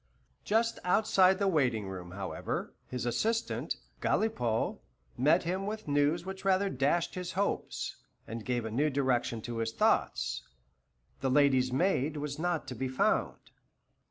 Just outside the waiting room, however, his assistant, Galipaud, met him with news which rather dashed his hopes, and gave a new direction to his thoughts. The lady's maid was not to be found.